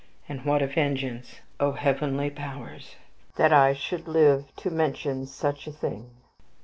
And what a vengeance! O heavenly powers! that I should live to mention such a thing!